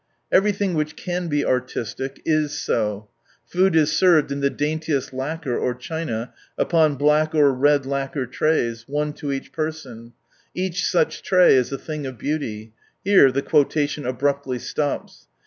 ^| Everything which can be artistic, is so. H Food is served in the daintiest lacquer or H ^ \^:1li cliina, upon black or red lacquer ira) s, one ^| 10 each person ; each such tray is a " thing ^|'^ '^I^B^ °^ beanty," here the quotation aiiruptly ^■^* stops.